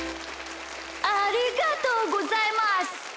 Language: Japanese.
ありがとうございます。